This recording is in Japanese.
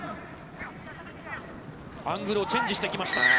アングルをチェンジしてきました